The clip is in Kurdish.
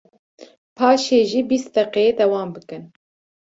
paşê jî bîst deqeyê dewam bikin.